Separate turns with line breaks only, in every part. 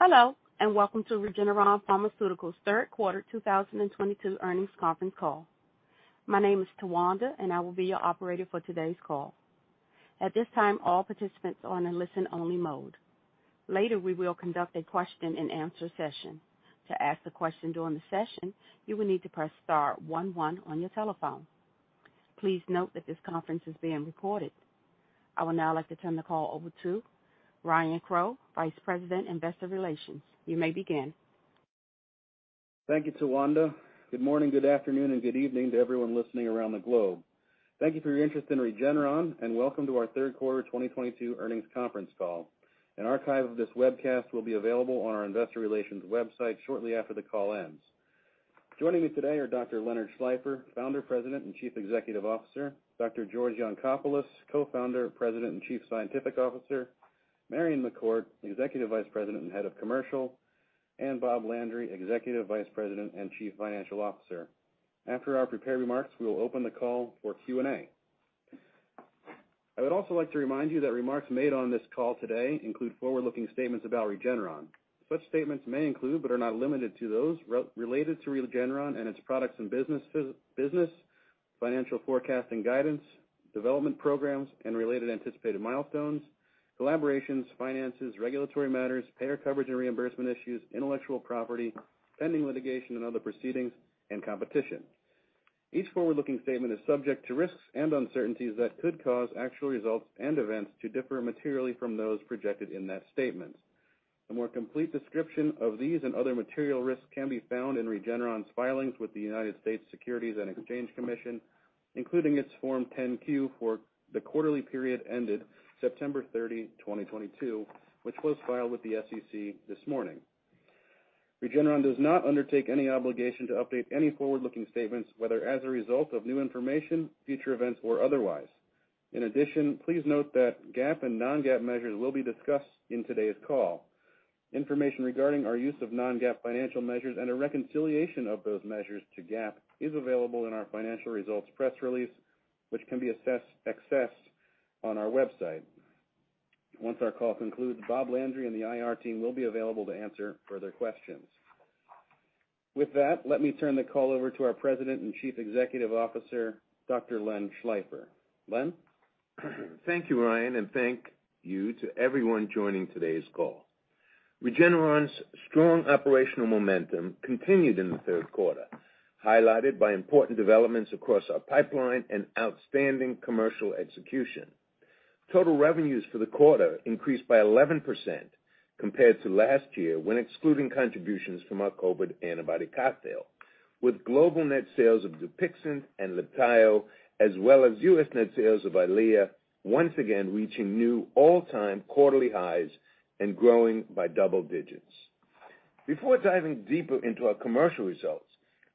Hello, and welcome to Regeneron Pharmaceuticals' Q3 2022 Earnings Conference Call. My name is Tawanda, and I will be your operator for today's call. At this time, all participants are in listen-only mode. Later, we will conduct a question-and-answer session. To ask a question during the session, you will need to press star one one on your telephone. Please note that this conference is being recorded. I would now like to turn the call over to Ryan Crowe, Vice President, Investor Relations. You may begin.
Thank you, Tawanda. Good morning, good afternoon, and good evening to everyone listening around the globe. Thank you for your interest in Regeneron, and welcome to our Q3 2022 Earnings Conference Call. An archive of this webcast will be available on our investor relations website shortly after the call ends. Joining me today are Dr. Leonard Schleifer, Founder, President, and Chief Executive Officer, Dr. George Yancopoulos, Co-founder, President, and Chief Scientific Officer, Marion McCourt, Executive Vice President and Head of Commercial, and Robert Landry, Executive Vice President and Chief Financial Officer. After our prepared remarks, we will open the call for Q&A. I would also like to remind you that remarks made on this call today include forward-looking statements about Regeneron. Such statements may include, but are not limited to, those related to Regeneron and its products and business, financial forecasting guidance, development programs and related anticipated milestones, collaborations, finances, regulatory matters, payer coverage and reimbursement issues, intellectual property, pending litigation and other proceedings, and competition. Each forward-looking statement is subject to risks and uncertainties that could cause actual results and events to differ materially from those projected in that statement. A more complete description of these and other material risks can be found in Regeneron's filings with the United States Securities and Exchange Commission, including its Form 10-Q for the quarterly period ended September 30, 2022, which was filed with the SEC this morning. Regeneron does not undertake any obligation to update any forward-looking statements, whether as a result of new information, future events, or otherwise. In addition, please note that GAAP and non-GAAP measures will be discussed in today's call. Information regarding our use of non-GAAP financial measures and a reconciliation of those measures to GAAP is available in our financial results press release, which can be accessed on our website. Once our call concludes, Robert Landry and the IR team will be available to answer further questions. With that, let me turn the call over to our President and Chief Executive Officer, Dr. Len Schleifer. Len?
Thank you, Ryan, and thank you to everyone joining today's call. Regeneron's strong operational momentum continued in the Q3, highlighted by important developments across our pipeline and outstanding commercial execution. Total revenues for the quarter increased by 11% compared to last year when excluding contributions from our COVID antibody cocktail, with global net sales of Dupixent and Libtayo, as well as U.S. net sales of EYLEA, once again reaching new all-time quarterly highs and growing by double digits. Before diving deeper into our commercial results,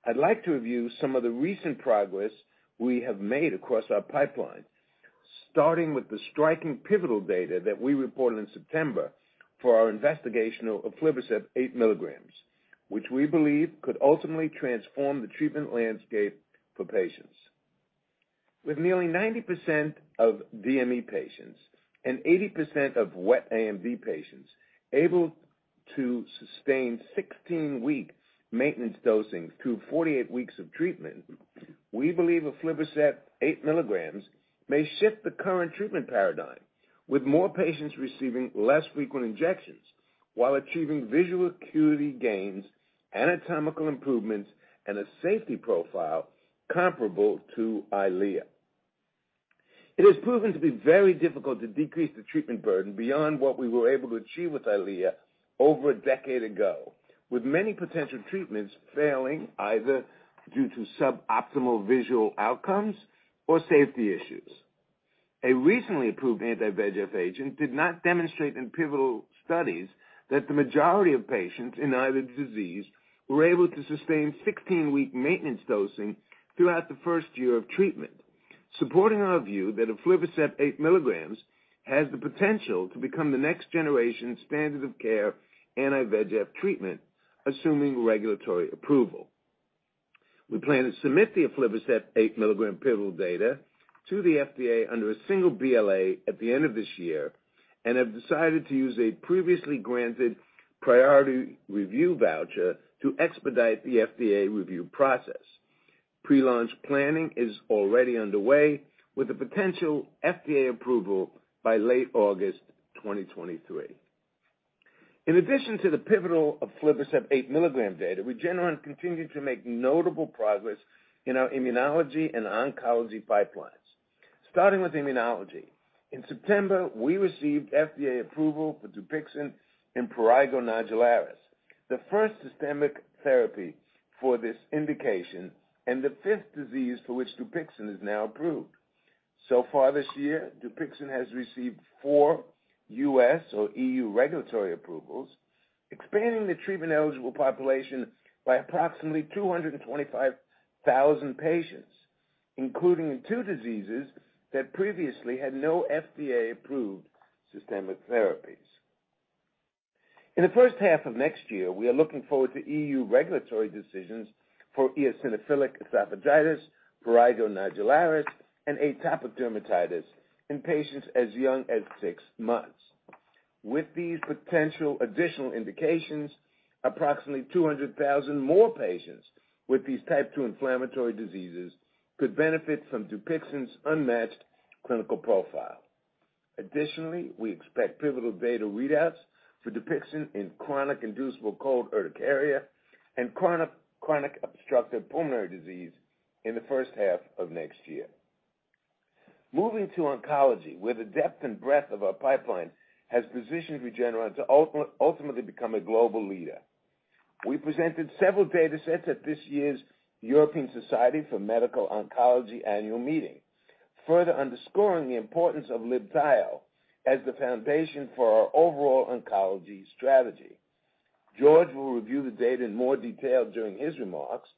I'd like to review some of the recent progress we have made across our pipeline, starting with the striking pivotal data that we reported in September for our investigational aflibercept 8 milligrams, which we believe could ultimately transform the treatment landscape for patients. With nearly 90% of DME patients and 80% of wet AMD patients able to sustain 16-week maintenance dosing through 48 weeks of treatment, we believe aflibercept 8 mg may shift the current treatment paradigm, with more patients receiving less frequent injections while achieving visual acuity gains, anatomical improvements, and a safety profile comparable to EYLEA. It has proven to be very difficult to decrease the treatment burden beyond what we were able to achieve with EYLEA over a decade ago, with many potential treatments failing either due to suboptimal visual outcomes or safety issues. A recently approved anti-VEGF agent did not demonstrate in pivotal studies that the majority of patients in either disease were able to sustain 16-week maintenance dosing throughout the first year of treatment, supporting our view that aflibercept 8 milligrams has the potential to become the next generation standard of care anti-VEGF treatment, assuming regulatory approval. We plan to submit the aflibercept 8-milligram pivotal data to the FDA under a single BLA at the end of this year and have decided to use a previously granted priority review voucher to expedite the FDA review process. Pre-launch planning is already underway, with a potential FDA approval by late August 2023. In addition to the pivotal aflibercept 8-milligram data, Regeneron continued to make notable progress in our immunology and oncology pipelines. Starting with immunology, in September, we received FDA approval for Dupixent in prurigo nodularis, the first systemic therapy for this indication and the fifth disease for which Dupixent is now approved. Far this year, Dupixent has received 4 U.S. or EU regulatory approvals, expanding the treatment-eligible population by approximately 225,000 patients, including in two diseases that previously had no FDA-approved systemic therapies. In the first half of next year, we are looking forward to EU regulatory decisions for eosinophilic esophagitis, prurigo nodularis, and atopic dermatitis in patients as young as 6 months. With these potential additional indications, approximately 200,000 more patients with these type 2 inflammatory diseases could benefit from Dupixent's unmatched clinical profile. Additionally, we expect pivotal data readouts for Dupixent in chronic inducible cold urticaria and chronic obstructive pulmonary disease in the first half of next year. Moving to oncology, where the depth and breadth of our pipeline has positioned Regeneron to ultimately become a global leader. We presented several data sets at this year's European Society for Medical Oncology annual meeting, further underscoring the importance of Libtayo as the foundation for our overall oncology strategy. George will review the data in more detail during his remarks,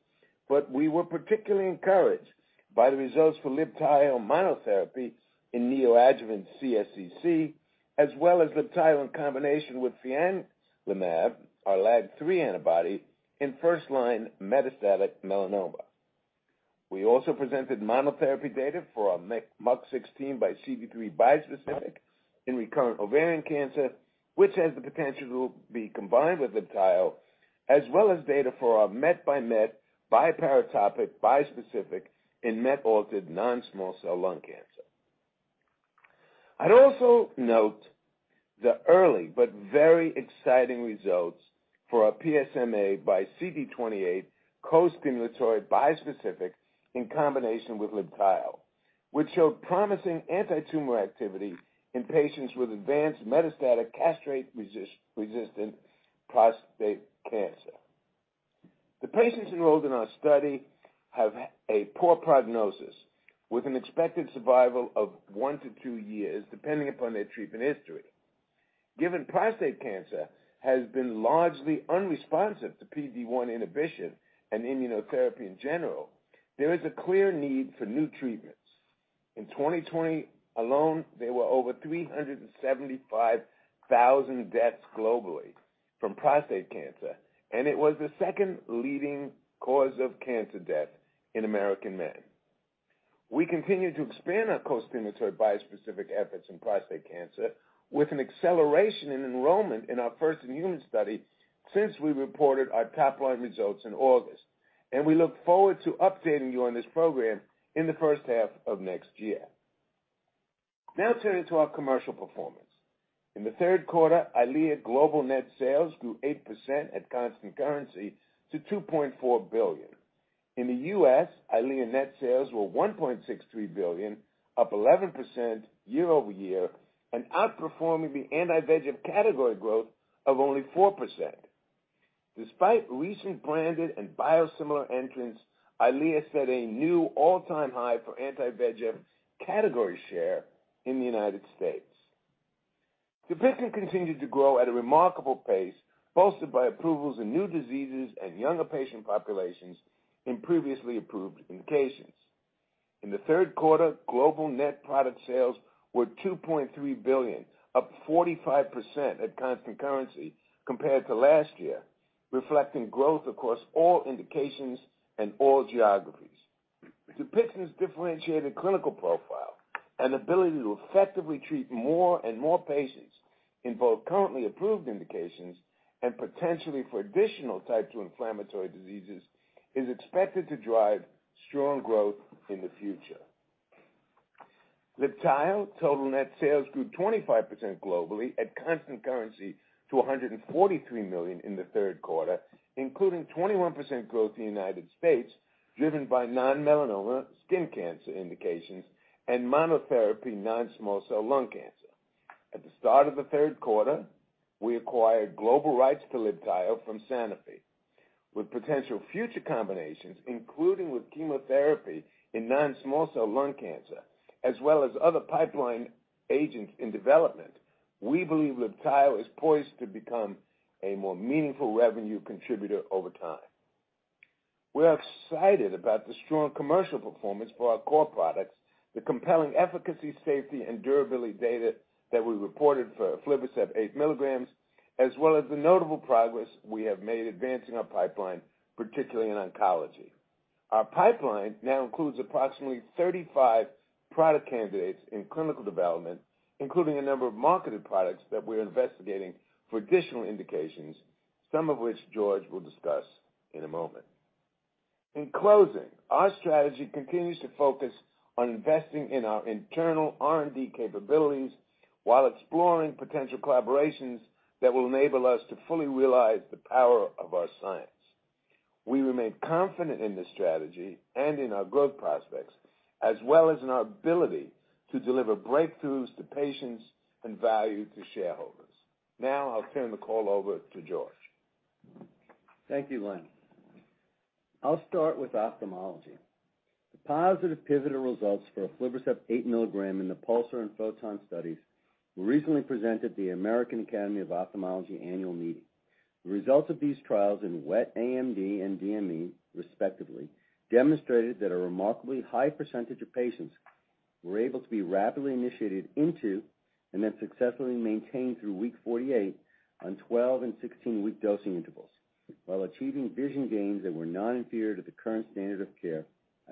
but we were particularly encouraged by the results for Libtayo monotherapy in neoadjuvant CSCC, as well as Libtayo in combination with fianlimab, our LAG-3 antibody in first-line metastatic melanoma. We also presented monotherapy data for our MUC16 x CD3 bispecific in recurrent ovarian cancer, which has the potential to be combined with Libtayo, as well as data for our MET x MET biparatopic bispecific in MET-altered non-small cell lung cancer. I'd also note the early but very exciting results for our PSMA x CD28 costimulatory bispecific in combination with Libtayo, which showed promising antitumor activity in patients with advanced metastatic castrate-resistant prostate cancer. The patients enrolled in our study have a poor prognosis, with an expected survival of 1-2 years, depending upon their treatment history. Given prostate cancer has been largely unresponsive to PD-1 inhibition and immunotherapy in general, there is a clear need for new treatments. In 2020 alone, there were over 375,000 deaths globally from prostate cancer, and it was the second leading cause of cancer death in American men. We continue to expand our costimulatory bispecific efforts in prostate cancer with an acceleration in enrollment in our first immune study since we reported our top-line results in August, and we look forward to updating you on this program in the first half of next year. Now turning to our commercial performance. In the Q3, EYLEA global net sales grew 8% at constant currency to $2.4 billion. In the U.S., EYLEA net sales were $1.63 billion, up 11% year-over-year and outperforming the anti-VEGF category growth of only 4%. Despite recent branded and biosimilar entrants, EYLEA set a new all-time high for anti-VEGF category share in the United States. Dupixent continued to grow at a remarkable pace, bolstered by approvals in new diseases and younger patient populations in previously approved indications. In the Q3, global net product sales were $2.3 billion, up 45% at constant currency compared to last year, reflecting growth across all indications and all geographies. Dupixent's differentiated clinical profile and ability to effectively treat more and more patients in both currently approved indications and potentially for additional type two inflammatory diseases, is expected to drive strong growth in the future. Libtayo total net sales grew 25% globally at constant currency to $143 million in the Q3, including 21% growth in the United States, driven by non-melanoma skin cancer indications and monotherapy non-small cell lung cancer. At the start of the Q3, we acquired global rights to Libtayo from Sanofi. With potential future combinations, including with chemotherapy in non-small cell lung cancer, as well as other pipeline agents in development, we believe Libtayo is poised to become a more meaningful revenue contributor over time. We are excited about the strong commercial performance for our core products, the compelling efficacy, safety, and durability data that we reported for aflibercept 8 milligrams, as well as the notable progress we have made advancing our pipeline, particularly in oncology. Our pipeline now includes approximately 35 product candidates in clinical development, including a number of marketed products that we're investigating for additional indications, some of which George will discuss in a moment. In closing, our strategy continues to focus on investing in our internal R&D capabilities while exploring potential collaborations that will enable us to fully realize the power of our science. We remain confident in this strategy and in our growth prospects, as well as in our ability to deliver breakthroughs to patients and value to shareholders. Now I'll turn the call over to George.
Thank you, Len. I'll start with ophthalmology. The positive pivotal results for aflibercept 8 mg in the PULSAR and PHOTON studies were recently presented at the American Academy of Ophthalmology annual meeting. The results of these trials in wet AMD and DME respectively, demonstrated that a remarkably high percentage of patients were able to be rapidly initiated into and then successfully maintained through week 48 on 12- and 16-week dosing intervals, while achieving vision gains that were non-inferior to the current standard of care,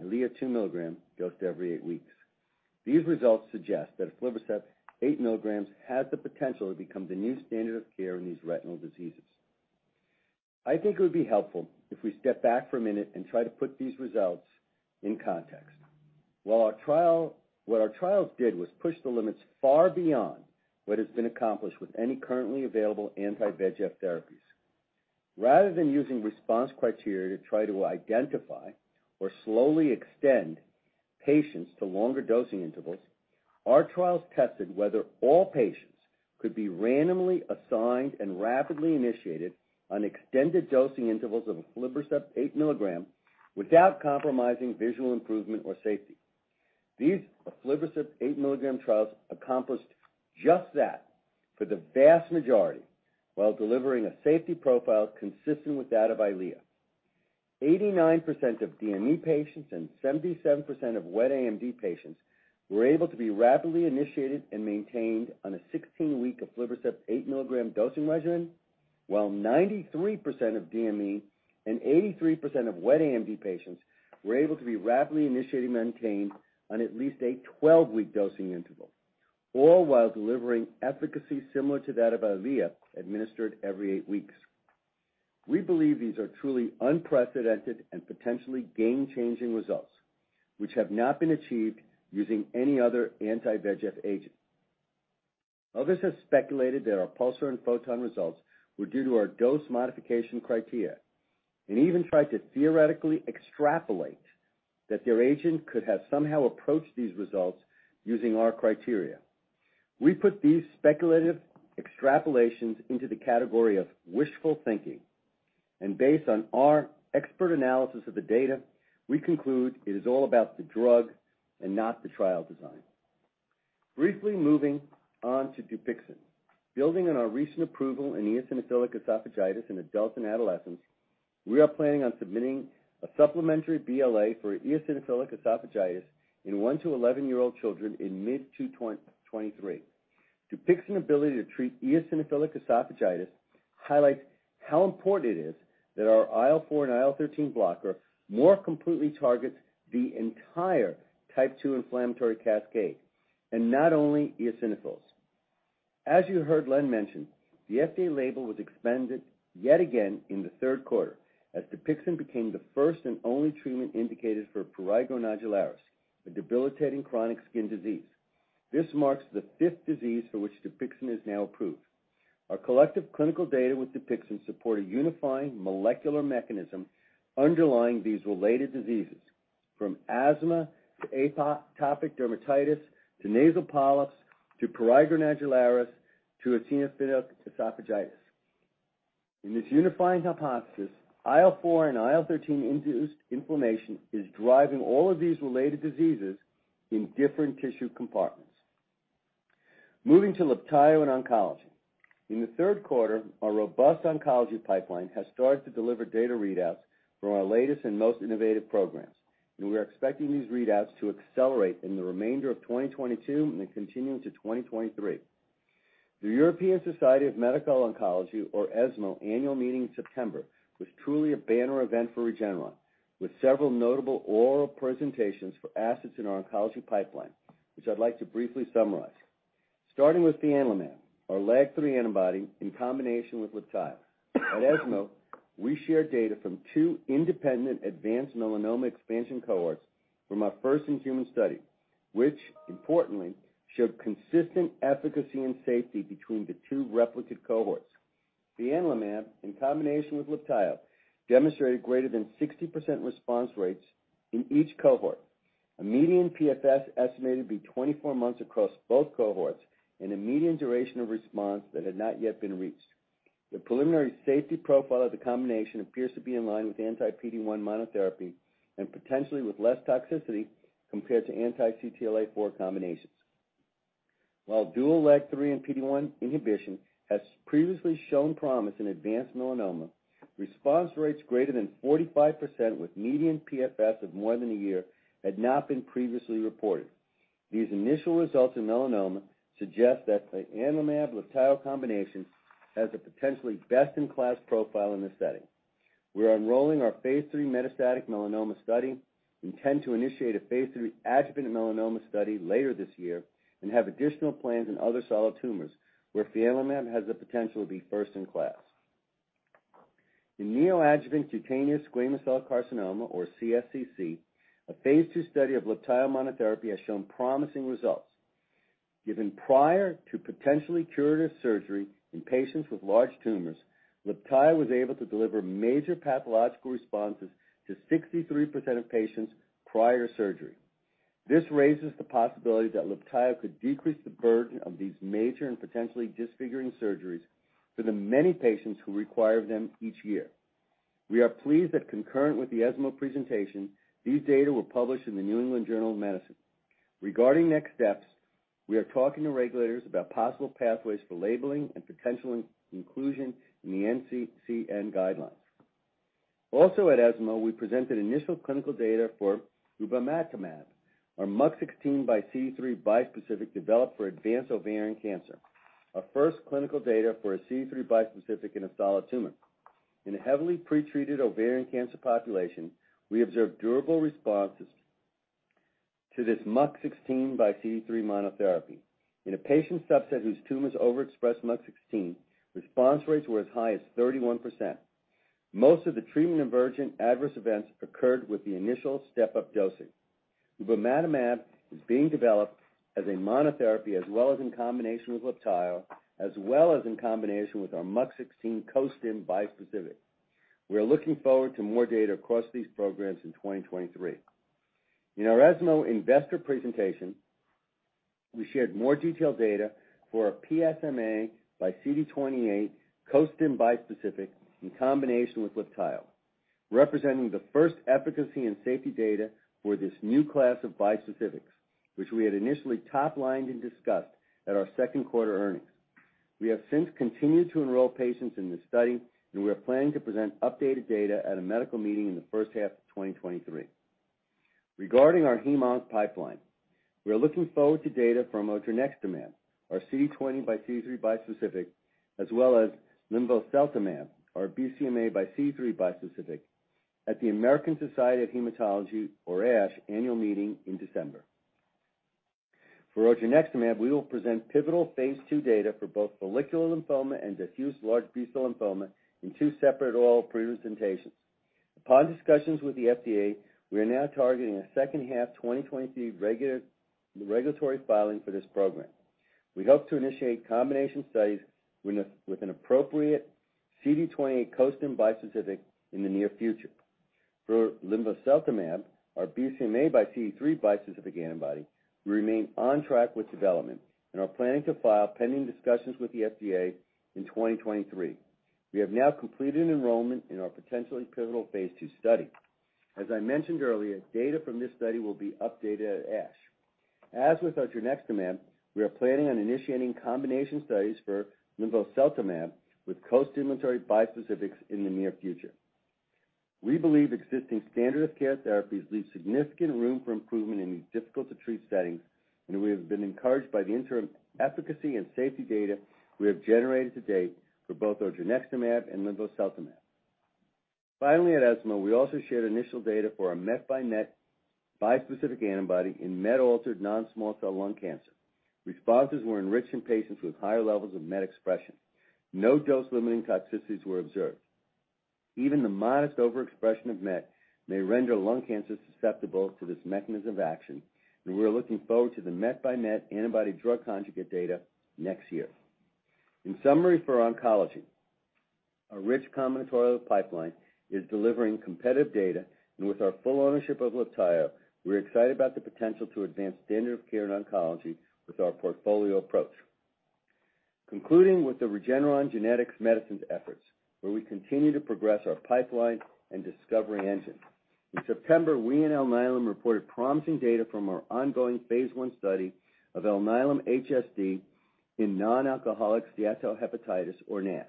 EYLEA 2 mg dosed every 8 weeks. These results suggest that aflibercept 8 mg has the potential to become the new standard of care in these retinal diseases. I think it would be helpful if we step back for a minute and try to put these results in context. What our trials did was push the limits far beyond what has been accomplished with any currently available anti-VEGF therapies. Rather than using response criteria to try to identify or slowly extend patients to longer dosing intervals, our trials tested whether all patients could be randomly assigned and rapidly initiated on extended dosing intervals of aflibercept 8 mg without compromising visual improvement or safety. These aflibercept 8 mg trials accomplished just that for the vast majority, while delivering a safety profile consistent with that of EYLEA. 89% of DME patients and 77% of wet AMD patients were able to be rapidly initiated and maintained on a 16-week aflibercept 8 mg dosing regimen, while 93% of DME and 83% of wet AMD patients were able to be rapidly initiated and maintained on at least a 12-week dosing interval, all while delivering efficacy similar to that of EYLEA administered every 8 weeks. We believe these are truly unprecedented and potentially game-changing results, which have not been achieved using any other anti-VEGF agent. Others have speculated that our PULSAR and PHOTON results were due to our dose modification criteria and even tried to theoretically extrapolate that their agent could have somehow approached these results using our criteria. We put these speculative extrapolations into the category of wishful thinking, and based on our expert analysis of the data, we conclude it is all about the drug and not the trial design. Briefly moving on to Dupixent. Building on our recent approval in eosinophilic esophagitis in adults and adolescents, we are planning on submitting a supplementary BLA for eosinophilic esophagitis in 1 to 11-year-old children in mid-2023. Dupixent ability to treat eosinophilic esophagitis highlights how important it is that our IL-4 and IL-13 blocker more completely targets the entire type 2 inflammatory cascade and not only eosinophils. As you heard Len mention, the FDA label was expanded yet again in the Q3 as Dupixent became the first and only treatment indicated for prurigo nodularis, a debilitating chronic skin disease. This marks the fifth disease for which Dupixent is now approved. Our collective clinical data with Dupixent support a unifying molecular mechanism underlying these related diseases, from asthma to atopic dermatitis to nasal polyps to prurigo nodularis to eosinophilic esophagitis. In this unifying hypothesis, IL-4 and IL-13 induced inflammation is driving all of these related diseases in different tissue compartments. Moving to Libtayo and oncology. In the Q3, our robust oncology pipeline has started to deliver data readouts from our latest and most innovative programs, and we are expecting these readouts to accelerate in the remainder of 2022 and continue into 2023. The European Society of Medical Oncology, or ESMO, annual meeting in September was truly a banner event for Regeneron, with several notable oral presentations for assets in our oncology pipeline, which I'd like to briefly summarize. Starting with fianlimab, our LAG-3 antibody in combination with Libtayo. At ESMO, we shared data from two independent advanced melanoma expansion cohorts from our first-in-human study, which importantly showed consistent efficacy and safety between the two replicate cohorts. Fianlimab, in combination with Libtayo, demonstrated greater than 60% response rates in each cohort, a median PFS estimated to be 24 months across both cohorts, and a median duration of response that had not yet been reached. The preliminary safety profile of the combination appears to be in line with anti-PD-1 monotherapy and potentially with less toxicity compared to anti-CTLA-4 combinations. While dual LAG-3 and PD-1 inhibition has previously shown promise in advanced melanoma, response rates greater than 45% with median PFS of more than a year had not been previously reported. These initial results in melanoma suggest that the fianlimab Libtayo combination has a potentially best-in-class profile in this setting. We are enrolling our phase III metastatic melanoma study. We intend to initiate a phase III adjuvant melanoma study later this year and have additional plans in other solid tumors where fianlimab has the potential to be first in class. In neoadjuvant cutaneous squamous cell carcinoma, or CSCC, a phase II study of Libtayo monotherapy has shown promising results. Given prior to potentially curative surgery in patients with large tumors, Libtayo was able to deliver major pathological responses to 63% of patients prior to surgery. This raises the possibility that Libtayo could decrease the burden of these major and potentially disfiguring surgeries for the many patients who require them each year. We are pleased that concurrent with the ESMO presentation, these data were published in the New England Journal of Medicine. Regarding next steps, we are talking to regulators about possible pathways for labeling and potential inclusion in the NCCN guidelines. Also at ESMO, we presented initial clinical data for ubamatamab, our MUC16 x CD3 bispecific developed for advanced ovarian cancer, our first clinical data for a CD3 bispecific in a solid tumor. In a heavily pretreated ovarian cancer population, we observed durable responses to this MUC16 x CD3 monotherapy. In a patient subset whose tumors overexpressed MUC16, response rates were as high as 31%. Most of the treatment-emergent adverse events occurred with the initial step-up dosing. Ubamatamab is being developed as a monotherapy as well as in combination with Libtayo, as well as in combination with our MUC16 Costim bispecific. We are looking forward to more data across these programs in 2023. In our ESMO investor presentation, we shared more detailed data for our PSMA x CD28 costim bispecific in combination with Libtayo, representing the first efficacy and safety data for this new class of bispecifics, which we had initially top-lined and discussed at our Q2 earnings. We have since continued to enroll patients in this study, and we are planning to present updated data at a medical meeting in the first half of 2023. Regarding our hemonc pipeline, we are looking forward to data from odronextamab, our CD20 x CD3 bispecific, as well as linvoseltamab, our BCMA x CD3 bispecific, at the American Society of Hematology, or ASH, annual meeting in December. For odronextamab, we will present pivotal phase II data for both follicular lymphoma and diffuse large B-cell lymphoma in two separate oral presentations. Upon discussions with the FDA, we are now targeting a second half 2023 regulatory filing for this program. We hope to initiate combination studies with an appropriate CD20 costim bispecific in the near future. For linvoseltamab, our BCMA x CD3 bispecific antibody, we remain on track with development and are planning to file pending discussions with the FDA in 2023. We have now completed enrollment in our potentially pivotal phase II study. As I mentioned earlier, data from this study will be updated at ASH. As with odronextamab, we are planning on initiating combination studies for linvoseltamab with costimulatory bispecifics in the near future. We believe existing standard of care therapies leave significant room for improvement in these difficult to treat settings, and we have been encouraged by the interim efficacy and safety data we have generated to date for both odronextamab and linvoseltamab. Finally, at ESMO, we also shared initial data for a METxMET bispecific antibody in MET-altered non-small cell lung cancer. Responses were enriched in patients with higher levels of MET expression. No dose-limiting toxicities were observed. Even the modest overexpression of MET may render lung cancer susceptible to this mechanism of action, and we are looking forward to the MET by MET antibody drug conjugate data next year. In summary, for oncology, our rich combinatorial pipeline is delivering competitive data, and with our full ownership of Libtayo, we're excited about the potential to advance standard of care in oncology with our portfolio approach. Concluding with the Regeneron Genetic Medicines efforts, where we continue to progress our pipeline and discovery engine. In September, we and Alnylam reported promising data from our ongoing phase I study of ALN-HSD in non-alcoholic steatohepatitis, or NASH.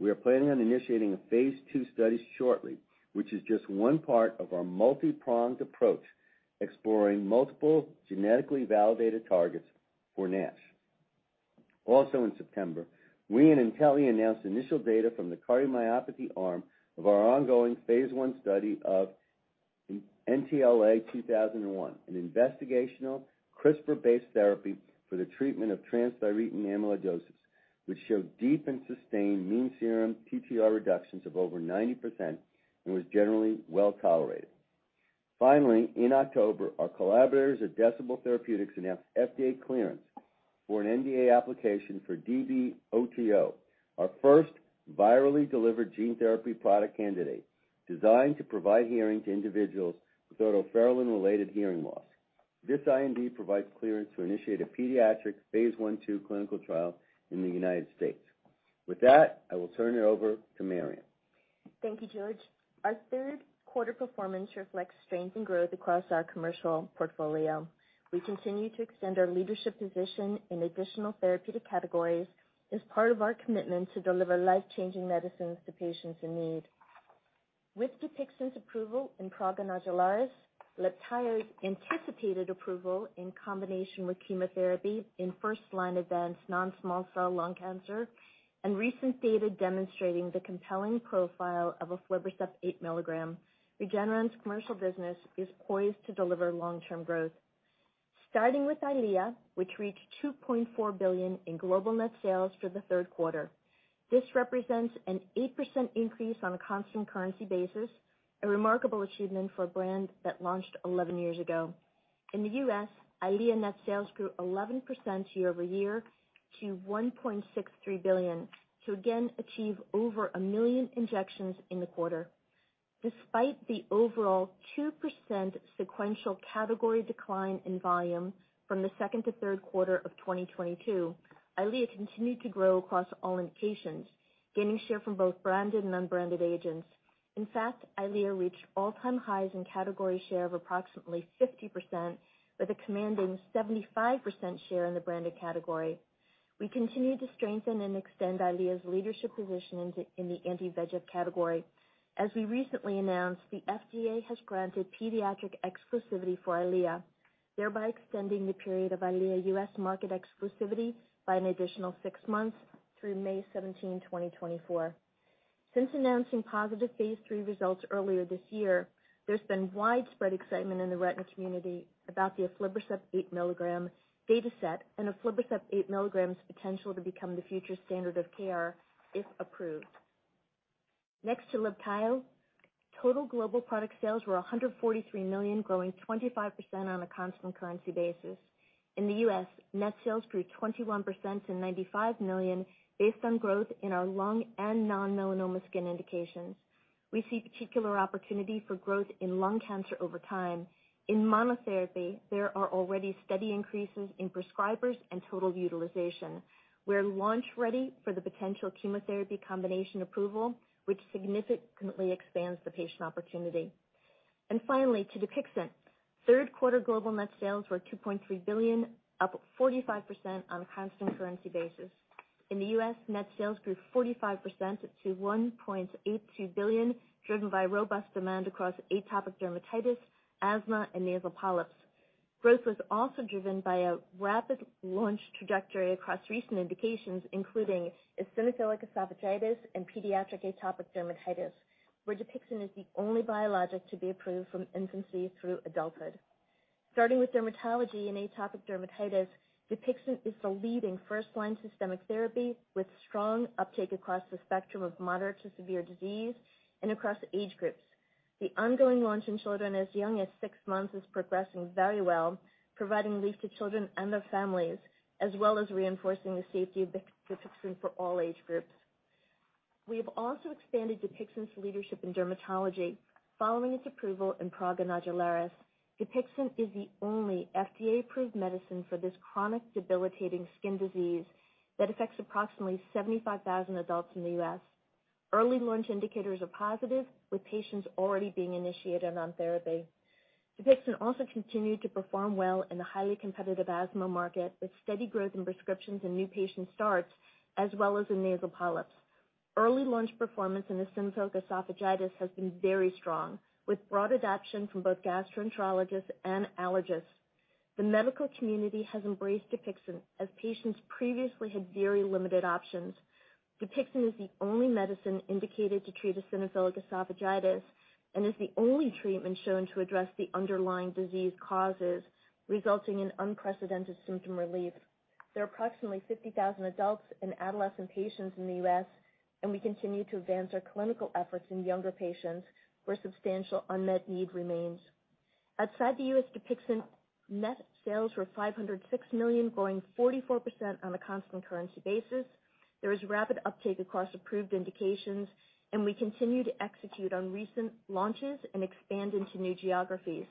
We are planning on initiating a phase II study shortly, which is just one part of our multi-pronged approach exploring multiple genetically validated targets for NASH. In September, we and Intellia announced initial data from the cardiomyopathy arm of our ongoing phase I study of NTLA-2001, an investigational CRISPR-based therapy for the treatment of transthyretin amyloidosis, which showed deep and sustained mean serum TTR reductions of over 90% and was generally well tolerated. In October, our collaborators at Decibel Therapeutics announced FDA clearance for an IND application for DB-OTO, our first virally delivered gene therapy product candidate designed to provide hearing to individuals with otoferlin-related hearing loss. This IND provides clearance to initiate a pediatric phase I/2 clinical trial in the United States. With that, I will turn it over to Marion.
Thank you, George. Our Q3 performance reflects strength and growth across our commercial portfolio. We continue to extend our leadership position in additional therapeutic categories as part of our commitment to deliver life-changing medicines to patients in need. With Dupixent's approval in prurigo nodularis, Libtayo's anticipated approval in combination with chemotherapy in first-line advanced non-small cell lung cancer, and recent data demonstrating the compelling profile of aflibercept 8 mg, Regeneron's commercial business is poised to deliver long-term growth. Starting with EYLEA, which reached $2.4 billion in global net sales for the Q3. This represents an 8% increase on a constant currency basis, a remarkable achievement for a brand that launched 11 years ago. In the U.S., EYLEA net sales grew 11% year-over-year to $1.63 billion to again achieve over 1 million injections in the quarter. Despite the overall 2% sequential category decline in volume from the second to Q3 of 2022, EYLEA continued to grow across all indications, gaining share from both branded and unbranded agents. In fact, EYLEA reached all-time highs in category share of approximately 50% with a commanding 75% share in the branded category. We continue to strengthen and extend EYLEA's leadership position in the anti-VEGF category. As we recently announced, the FDA has granted pediatric exclusivity for EYLEA, thereby extending the period of EYLEA U.S. market exclusivity by an additional six months through May 17, 2024. Since announcing positive phase III results earlier this year, there's been widespread excitement in the retina community about the aflibercept 8 mg data set and aflibercept 8 mg's potential to become the future standard of care if approved. Next to Libtayo, total global product sales were $143 million, growing 25% on a constant currency basis. In the US, net sales grew 21% to $95 million based on growth in our lung and non-melanoma skin indications. We see particular opportunity for growth in lung cancer over time. In monotherapy, there are already steady increases in prescribers and total utilization. We're launch ready for the potential chemotherapy combination approval, which significantly expands the patient opportunity. Finally, to Dupixent. Q3 global net sales were $2.3 billion, up 45% on a constant currency basis. In the US, net sales grew 45% to $1.82 billion, driven by robust demand across atopic dermatitis, asthma, and nasal polyps. Growth was also driven by a rapid launch trajectory across recent indications, including eosinophilic esophagitis and pediatric atopic dermatitis, where Dupixent is the only biologic to be approved from infancy through adulthood. Starting with dermatology and atopic dermatitis, Dupixent is the leading first-line systemic therapy with strong uptake across the spectrum of moderate to severe disease and across age groups. The ongoing launch in children as young as six months is progressing very well, providing relief to children and their families, as well as reinforcing the safety of Dupixent for all age groups. We have also expanded Dupixent's leadership in dermatology following its approval in prurigo nodularis. Dupixent is the only FDA-approved medicine for this chronic debilitating skin disease that affects approximately 75,000 adults in the U.S. Early launch indicators are positive, with patients already being initiated on therapy. DUPIXENT also continued to perform well in the highly competitive asthma market, with steady growth in prescriptions and new patient starts, as well as in nasal polyps. Early launch performance in eosinophilic esophagitis has been very strong, with broad adoption from both gastroenterologists and allergists. The medical community has embraced DUPIXENT, as patients previously had very limited options. DUPIXENT is the only medicine indicated to treat eosinophilic esophagitis and is the only treatment shown to address the underlying disease causes, resulting in unprecedented symptom relief. There are approximately 50,000 adults and adolescent patients in the U.S., and we continue to advance our clinical efforts in younger patients, where substantial unmet need remains. Outside the U.S., DUPIXENT net sales were $506 million, growing 44% on a constant currency basis. There is rapid uptake across approved indications, and we continue to execute on recent launches and expand into new geographies.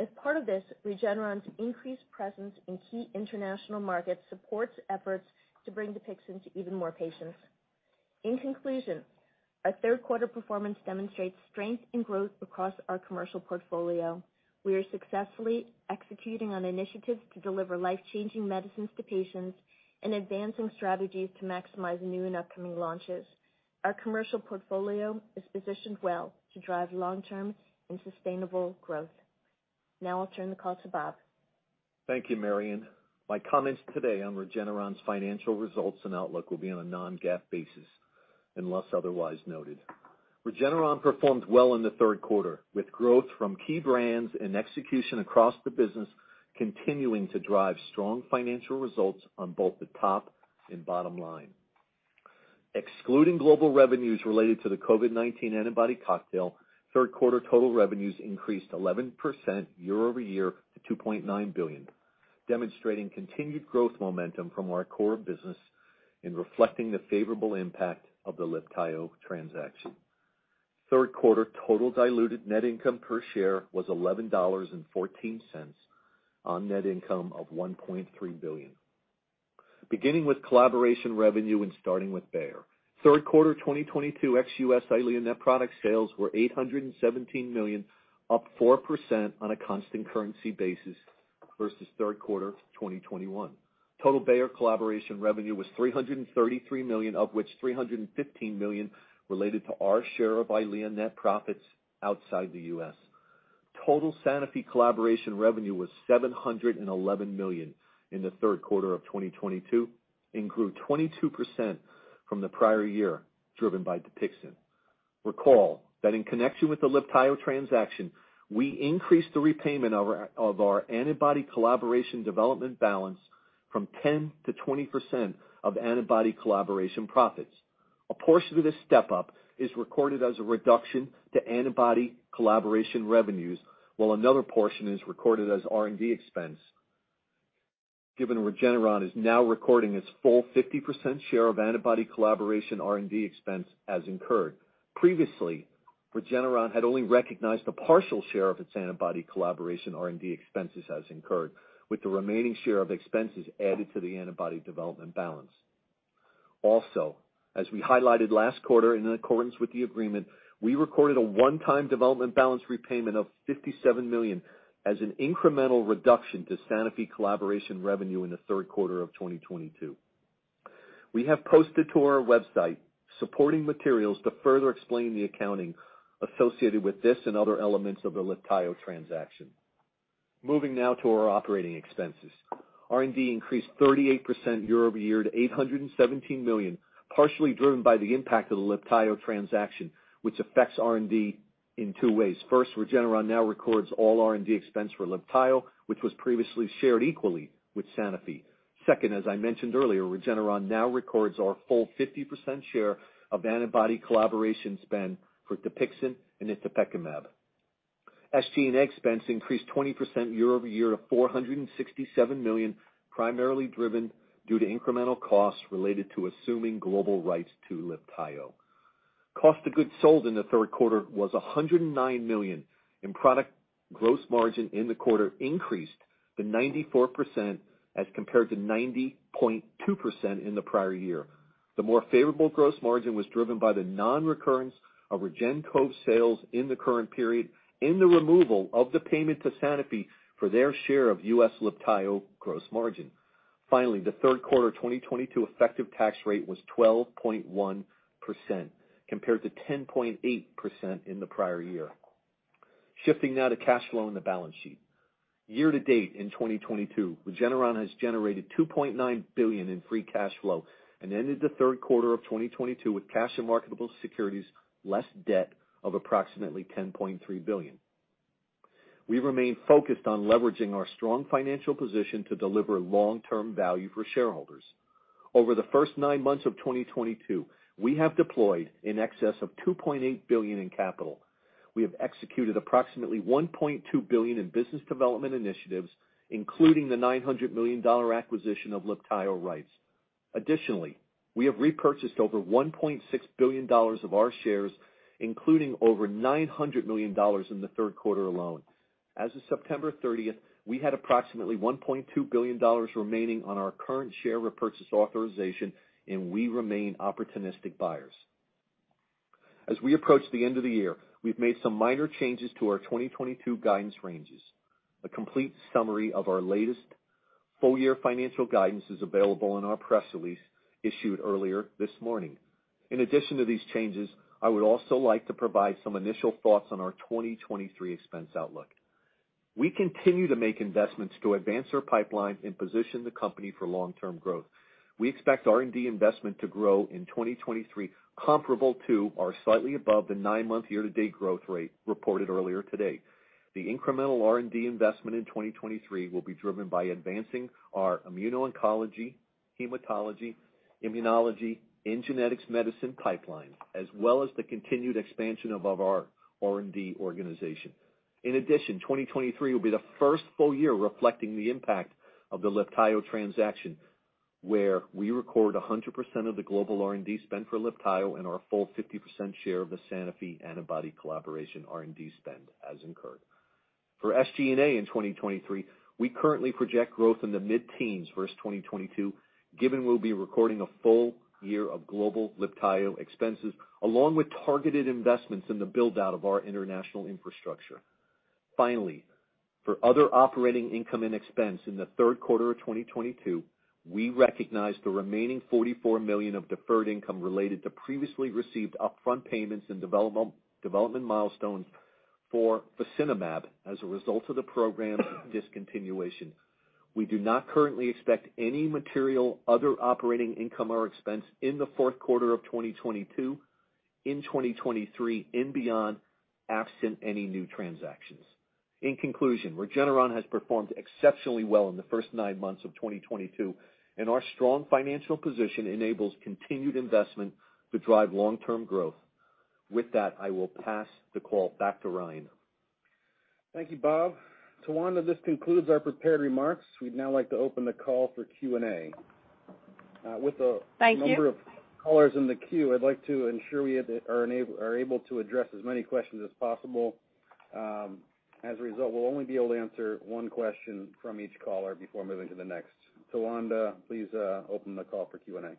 As part of this, Regeneron's increased presence in key international markets supports efforts to bring Dupixent to even more patients. In conclusion, our Q3 performance demonstrates strength and growth across our commercial portfolio. We are successfully executing on initiatives to deliver life-changing medicines to patients and advancing strategies to maximize new and upcoming launches. Our commercial portfolio is positioned well to drive long-term and sustainable growth. Now I'll turn the call to Bob.
Thank you, Marion. My comments today on Regeneron's financial results and outlook will be on a non-GAAP basis unless otherwise noted. Regeneron performed well in the Q3, with growth from key brands and execution across the business continuing to drive strong financial results on both the top and bottom line. Excluding global revenues related to the COVID-19 antibody cocktail, Q3 total revenues increased 11% year-over-year to $2.9 billion, demonstrating continued growth momentum from our core business in reflecting the favorable impact of the Libtayo transaction. Q3 total diluted net income per share was $11.14 on net income of $1.3 billion. Beginning with collaboration revenue and starting with Bayer. Q3 2022 ex-U.S. EYLEA net product sales were $817 million, up 4% on a constant currency basis versus Q3 2021. Total Bayer collaboration revenue was $333 million, of which $315 million related to our share of EYLEA net profits outside the US. Total Sanofi collaboration revenue was $711 million in the Q3 of 2022 and grew 22% from the prior year, driven by Dupixent. Recall that in connection with the Libtayo transaction, we increased the repayment of our antibody collaboration development balance from 10% to 20% of antibody collaboration profits. A portion of this step-up is recorded as a reduction to antibody collaboration revenues, while another portion is recorded as R&D expense, given Regeneron is now recording its full 50% share of antibody collaboration R&D expense as incurred. Previously, Regeneron had only recognized a partial share of its antibody collaboration R&D expenses as incurred, with the remaining share of expenses added to the antibody development balance. Also, as we highlighted last quarter in accordance with the agreement, we recorded a one-time development balance repayment of $57 million as an incremental reduction to Sanofi collaboration revenue in the Q3 of 2022. We have posted to our website supporting materials to further explain the accounting associated with this and other elements of the Libtayo transaction. Moving now to our operating expenses. R&D increased 38% year-over-year to $817 million, partially driven by the impact of the Libtayo transaction, which affects R&D in two ways. First, Regeneron now records all R&D expense for Libtayo, which was previously shared equally with Sanofi. Second, as I mentioned earlier, Regeneron now records our full 50% share of antibody collaboration spend for Dupixent and itepekimab. SG&A expense increased 20% year-over-year to $467 million, primarily driven due to incremental costs related to assuming global rights to Libtayo. Cost of goods sold in the Q3 was $109 million, and product gross margin in the quarter increased to 94% as compared to 90.2% in the prior year. The more favorable gross margin was driven by the non-recurrence of REGEN-COV sales in the current period and the removal of the payment to Sanofi for their share of U.S. Libtayo gross margin. Finally, the Q3 2022 effective tax rate was 12.1% compared to 10.8% in the prior year. Shifting now to cash flow in the balance sheet. Year to date in 2022, Regeneron has generated $2.9 billion in free cash flow and ended the Q3 of 2022 with cash and marketable securities less debt of approximately $10.3 billion. We remain focused on leveraging our strong financial position to deliver long-term value for shareholders. Over the first nine months of 2022, we have deployed in excess of $2.8 billion in capital. We have executed approximately $1.2 billion in business development initiatives, including the $900 million acquisition of Libtayo rights. Additionally, we have repurchased over $1.6 billion of our shares, including over $900 million in the Q3 alone. As of September 30, we had approximately $1.2 billion remaining on our current share repurchase authorization, and we remain opportunistic buyers. As we approach the end of the year, we've made some minor changes to our 2022 guidance ranges. A complete summary of our latest full year financial guidance is available in our press release issued earlier this morning. In addition to these changes, I would also like to provide some initial thoughts on our 2023 expense outlook. We continue to make investments to advance our pipeline and position the company for long-term growth. We expect R&D investment to grow in 2023 comparable to or slightly above the nine-month year-to-date growth rate reported earlier today. The incremental R&D investment in 2023 will be driven by advancing our immuno-oncology, hematology, immunology, and genetic medicines pipeline, as well as the continued expansion of our R&D organization. In addition, 2023 will be the first full year reflecting the impact of the Libtayo transaction, where we record 100% of the global R&D spend for Libtayo and our full 50% share of the Sanofi antibody collaboration R&D spend as incurred. For SG&A in 2023, we currently project growth in the mid-teens% versus 2022, given we'll be recording a full year of global Libtayo expenses along with targeted investments in the build-out of our international infrastructure. Finally, for other operating income and expense in the Q3 of 2022, we recognized the remaining $44 million of deferred income related to previously received upfront payments and development milestones for Fasinumab as a result of the program discontinuation. We do not currently expect any material other operating income or expense in the Q4 of 2022, in 2023 and beyond, absent any new transactions. In conclusion, Regeneron has performed exceptionally well in the first nine months of 2022, and our strong financial position enables continued investment to drive long-term growth. With that, I will pass the call back to Ryan.
Thank you, Bob. Tawanda, this concludes our prepared remarks. We'd now like to open the call for Q&A.
Thank you....
number of callers in the queue, I'd like to ensure we are able to address as many questions as possible. As a result, we'll only be able to answer one question from each caller before moving to the next. Tawanda, please, open the call for Q&A.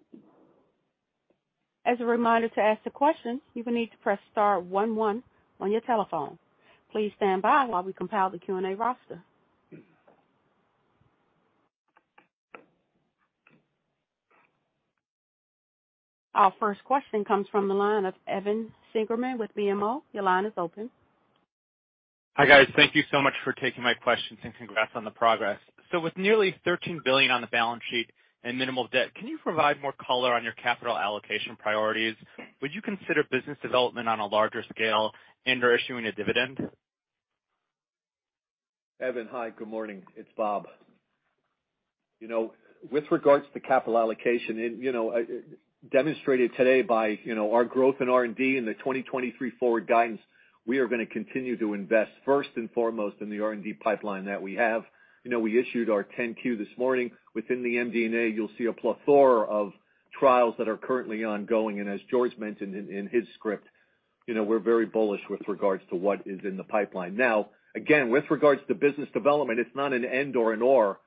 As a reminder to ask a question, you will need to press star one one on your telephone. Please stand by while we compile the Q&A roster. Our first question comes from the line of Evan Seigerman with BMO. Your line is open.
Hi, guys. Thank you so much for taking my questions and congrats on the progress. With nearly $13 billion on the balance sheet and minimal debt, can you provide more color on your capital allocation priorities? Would you consider business development on a larger scale and/or issuing a dividend?
Thank you. Evan, hi, good morning. It's Bob. You know, with regards to capital allocation, and, you know, demonstrated today by, you know, our growth in R&D and the 2023 forward guidance, we are gonna continue to invest first and foremost in the R&D pipeline that we have. You know, we issued our 10-Q this morning. Within the MD&A, you'll see a plethora of trials that are currently ongoing, and as George mentioned in his script. You know, we're very bullish with regards to what is in the pipeline. Now, again, with regards to business development, it's not an end or an or,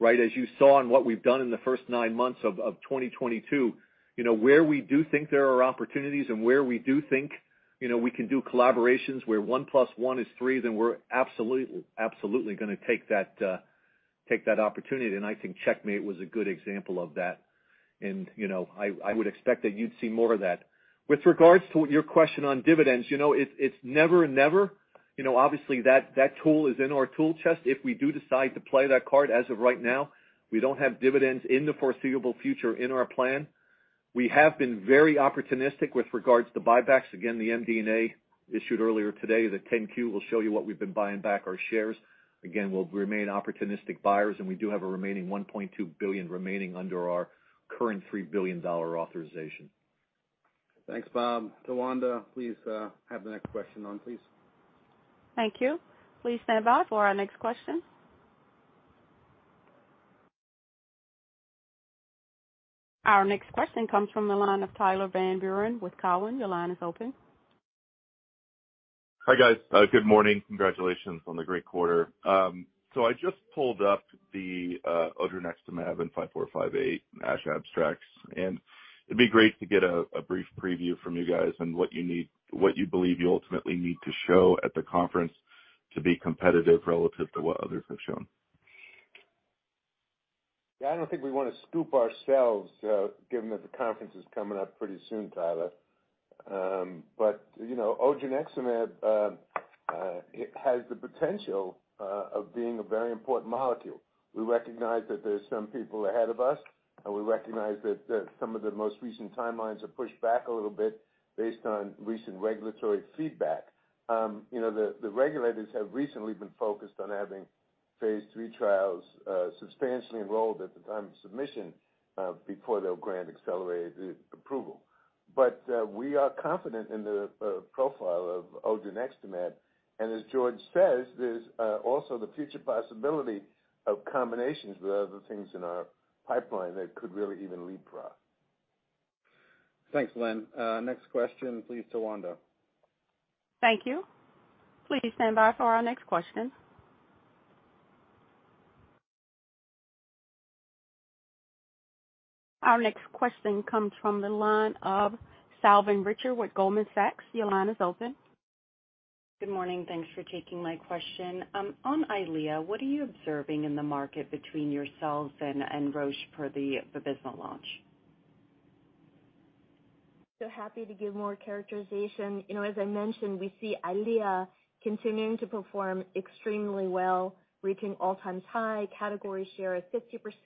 right? As you saw in what we've done in the first nine months of 2022, you know, where we do think there are opportunities and where we do think, you know, we can do collaborations where one plus one is three, then we're absolutely gonna take that opportunity. I think Checkmate was a good example of that. You know, I would expect that you'd see more of that. With regards to your question on dividends, you know, it's never. You know, obviously, that tool is in our tool chest if we do decide to play that card. As of right now, we don't have dividends in the foreseeable future in our plan. We have been very opportunistic with regards to buybacks. Again, the MD&A issued earlier today, the 10-Q will show you what we've been buying back our shares. Again, we'll remain opportunistic buyers, and we do have a remaining $1.2 billion remaining under our current $3 billion authorization.
Thanks, Bob. Tawanda, please, have the next question on, please.
Thank you. Please stand by for our next question. Our next question comes from the line of Tyler Van Buren with Cowen. Your line is open.
Hi, guys. Good morning. Congratulations on the great quarter. I just pulled up the odronextamab in 5458 ASH abstracts, and it'd be great to get a brief preview from you guys on what you believe you ultimately need to show at the conference to be competitive relative to what others have shown.
Yeah, I don't think we wanna scoop ourselves, given that the conference is coming up pretty soon, Tyler. You know, odronextamab, it has the potential of being a very important molecule. We recognize that there's some people ahead of us, and we recognize that some of the most recent timelines are pushed back a little bit based on recent regulatory feedback. You know, the regulators have recently been focused on having phase III trials substantially enrolled at the time of submission before they'll grant accelerated approval. We are confident in the profile of odronextamab. As George says, there's also the future possibility of combinations with other things in our pipeline that could really even leapfrog.
Thanks, Len. Next question please, Tawanda.
Thank you. Please stand by for our next question. Our next question comes from the line of Salveen Richter with Goldman Sachs. Your line is open.
Good morning. Thanks for taking my question. On EYLEA, what are you observing in the market between yourselves and Roche for the Vabysmo launch?
Happy to give more characterization. You know, as I mentioned, we see EYLEA continuing to perform extremely well, reaching all-time high category share of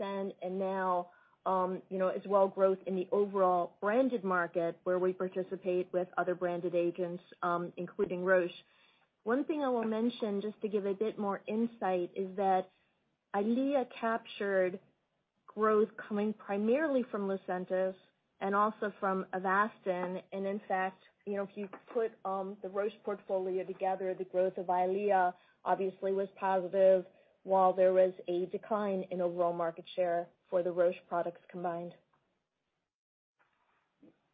50%, and now, you know, as well as growth in the overall branded market where we participate with other branded agents, including Roche. One thing I will mention, just to give a bit more insight, is that EYLEA captured growth coming primarily from LUCENTIS and also from Avastin. In fact, you know, if you put the Roche portfolio together, the growth of EYLEA obviously was positive, while there was a decline in overall market share for the Roche products combined.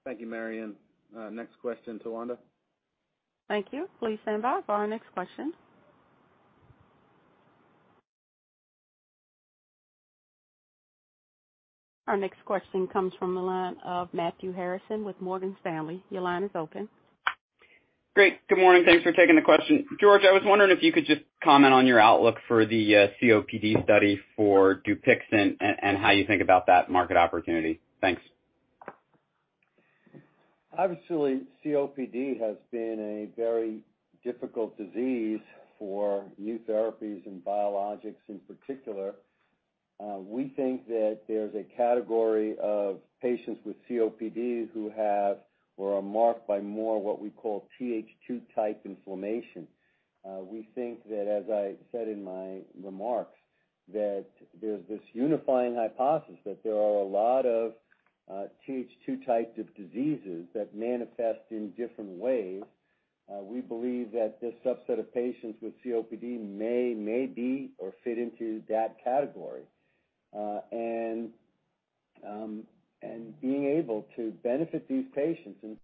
Thank you, Marion. Next question, Tawanda.
Thank you. Please stand by for our next question. Our next question comes from the line of Matthew Harrison with Morgan Stanley. Your line is open.
Great. Good morning. Thanks for taking the question. George, I was wondering if you could just comment on your outlook for the COPD study for Dupixent and how you think about that market opportunity. Thanks.
Obviously, COPD has been a very difficult disease for new therapies and biologics in particular. We think that there's a category of patients with COPD who have or are marked by more what we call Th2 type inflammation. We think that, as I said in my remarks, that there's this unifying hypothesis that there are a lot of Th2 types of diseases that manifest in different ways. We believe that this subset of patients with COPD may be or fit into that category. Being able to benefit these patients in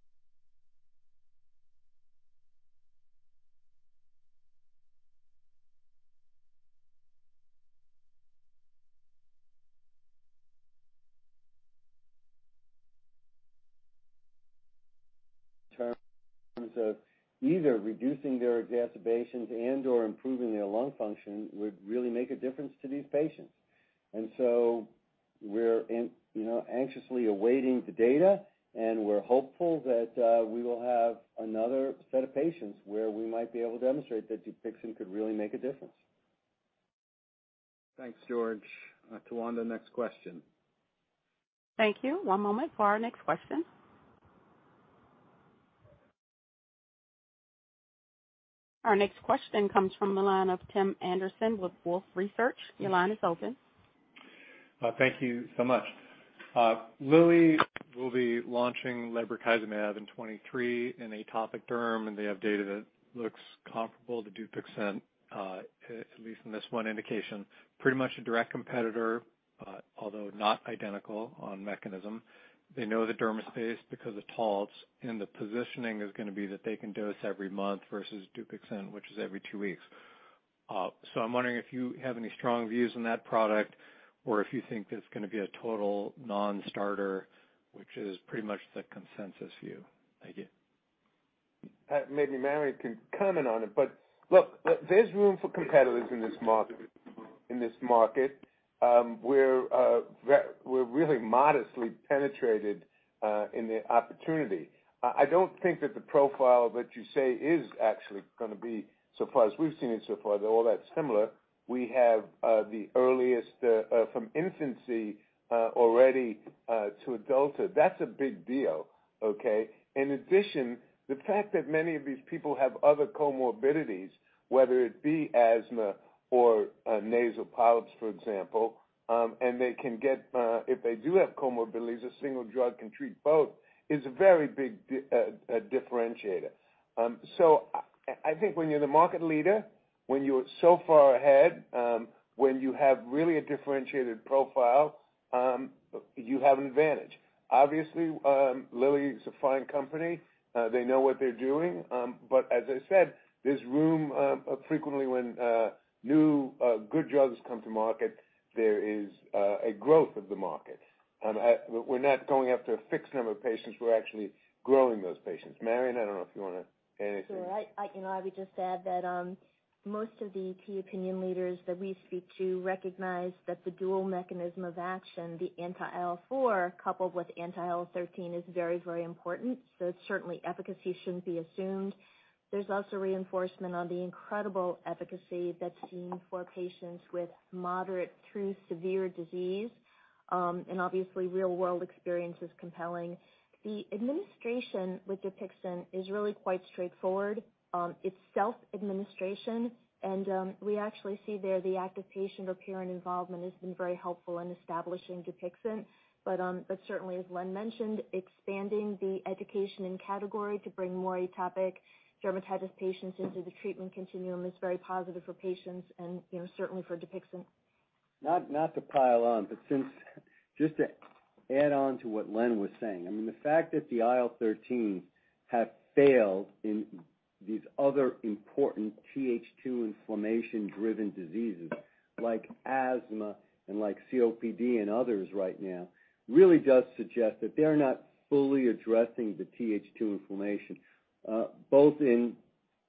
terms of either reducing their exacerbations and/or improving their lung function would really make a difference to these patients. We're in, you know, anxiously awaiting the data, and we're hopeful that we will have another set of patients where we might be able to demonstrate that Dupixent could really make a difference.
Thanks, George. Tawanda, next question.
Thank you. One moment for our next question. Our next question comes from the line of Tim Anderson with Wolfe Research. Your line is open.
Thank you so much. Lilly will be launching lebrikizumab in 2023 in atopic dermatitis, and they have data that looks comparable to Dupixent, at least in this one indication. Pretty much a direct competitor. Although not identical on mechanism, they own the derm space because it's Taltz, and the positioning is gonna be that they can dose every month versus Dupixent, which is every two weeks. I'm wondering if you have any strong views on that product or if you think that it's gonna be a total non-starter, which is pretty much the consensus view. Thank you.
Maybe Marion can comment on it, but look, there's room for competitors in this market, where we're really modestly penetrated in the opportunity. I don't think that the profile that you say is actually gonna be, so far as we've seen it so far, they're all that similar. We have the earliest from infancy already to adulthood. That's a big deal, okay? In addition, the fact that many of these people have other comorbidities, whether it be asthma or nasal polyps, for example, and they can get, if they do have comorbidities, a single drug can treat both, is a very big differentiator. So I think when you're the market leader, when you're so far ahead, when you have really a differentiated profile, you have an advantage. Obviously, Lilly is a fine company. They know what they're doing. As I said, there's room, frequently when new good drugs come to market, there is a growth of the market. We're not going after a fixed number of patients. We're actually growing those patients. Marion McCourt, I don't know if you wanna add anything.
Sure. I, you know, I would just add that most of the key opinion leaders that we speak to recognize that the dual mechanism of action, the anti-IL-4, coupled with anti-IL-13, is very, very important. Certainly efficacy shouldn't be assumed. There's also reinforcement on the incredible efficacy that's seen for patients with moderate through severe disease. Obviously, real-world experience is compelling. The administration with Dupixent is really quite straightforward. It's self-administration, and we actually see there the active patient or parent involvement has been very helpful in establishing Dupixent. Certainly, as Len mentioned, expanding the education and category to bring more atopic dermatitis patients into the treatment continuum is very positive for patients and, you know, certainly for Dupixent.
Not to pile on, but just to add on to what Len was saying, I mean, the fact that the IL-13 have failed in these other important TH2 inflammation-driven diseases like asthma and like COPD and others right now, really does suggest that they're not fully addressing the TH2 inflammation, both in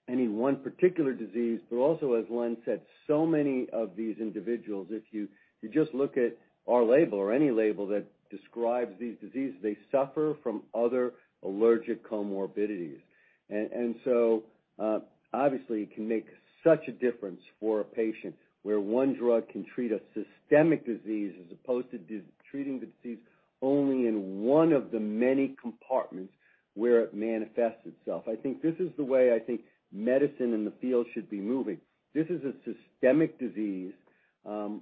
any one particular disease, but also, as Len said, so many of these individuals, if you just look at our label or any label that describes these diseases, they suffer from other allergic comorbidities. Obviously, it can make such a difference for a patient where one drug can treat a systemic disease as opposed to treating the disease only in one of the many compartments where it manifests itself. I think this is the way medicine in the field should be moving. This is a systemic disease,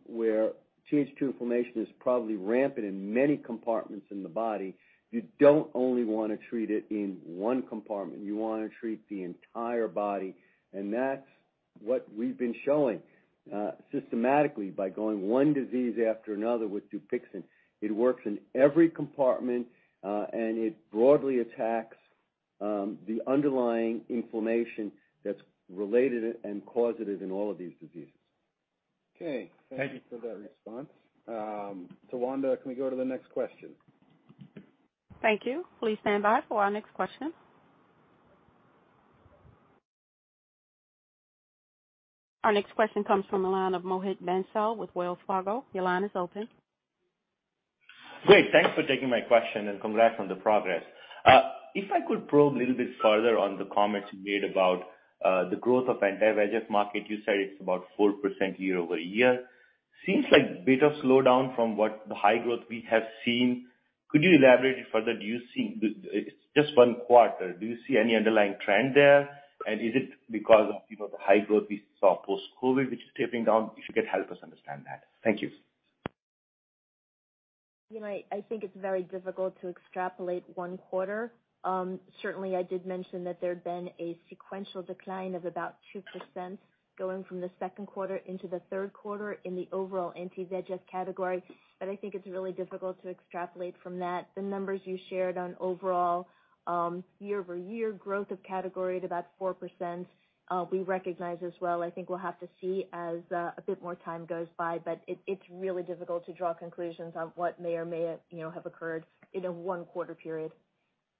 where Th2 inflammation is probably rampant in many compartments in the body. You don't only wanna treat it in one compartment, you wanna treat the entire body, and that's what we've been showing, systematically by going one disease after another with Dupixent. It works in every compartment, and it broadly attacks, the underlying inflammation that's related and causative in all of these diseases.
Okay.
Thank you for that response. Tawanda, can we go to the next question?
Thank you. Please stand by for our next question. Our next question comes from the line of Mohit Bansal with Wells Fargo. Your line is open.
Great. Thanks for taking my question and congrats on the progress. If I could probe a little bit further on the comments you made about the growth of anti-VEGF market. You said it's about 4% year-over-year. Seems like bit of slowdown from the high growth we have seen. Could you elaborate further? It's just one quarter. Do you see any underlying trend there? And is it because of, you know, the high growth we saw post-COVID, which is tapering down? If you could help us understand that. Thank you.
You know, I think it's very difficult to extrapolate one quarter. Certainly, I did mention that there had been a sequential decline of about 2% going from the Q2 into the Q3 in the overall anti-VEGF category. I think it's really difficult to extrapolate from that. The numbers you shared on overall year-over-year growth of category at about 4%, we recognize as well. I think we'll have to see as a bit more time goes by, but it's really difficult to draw conclusions on what may or may, you know, have occurred in a one quarter period.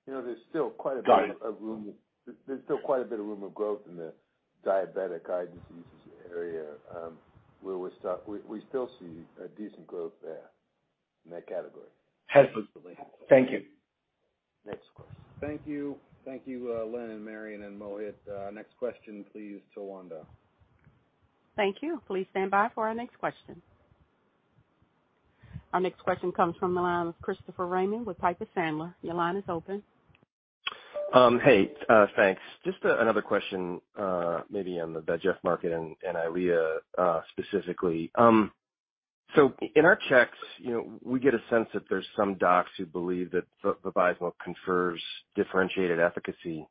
You know, there's still quite a bit of room.
Got it.
There's still quite a bit of room for growth in the diabetic eye diseases area, where we're stuck. We still see a decent growth there in that category.
Helpful. Thank you.
Next question. Thank you. Thank you, Len and Marion and Mohit. Next question, please, Tawanda.
Thank you. Please stand by for our next question. Our next question comes from the line of Christopher Raymond with Piper Sandler. Your line is open.
Hey, thanks. Just another question, maybe on the VEGF market and EYLEA, specifically. So in our checks, you know, we get a sense that there's some docs who believe that Vabysmo confers differentiated efficacy